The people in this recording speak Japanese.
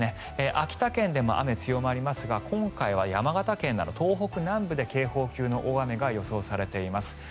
秋田県でも雨が強まりますが今回は山形県など東北南部で警報級の大雨が予想されています。